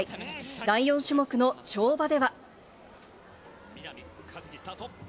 第４種目の跳馬では。